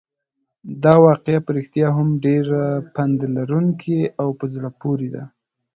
دا واقعه په رښتیا هم ډېره پنده لرونکې او په زړه پورې ده.